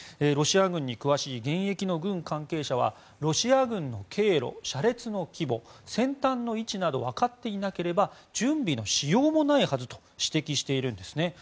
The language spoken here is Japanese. ロシア軍に詳しい現役の軍関係者はロシア軍の経路、車列の規模先端の位置など分かっていなければ準備のしようもないはずと指摘しているんですね。